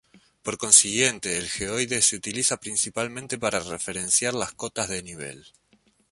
Por consiguiente el geoide se utiliza principalmente para referenciar las cotas de nivel.